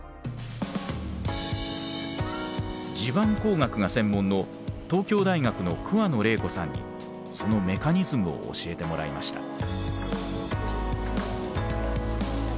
地盤工学が専門の東京大学の桑野玲子さんにそのメカニズムを教えてもらいました。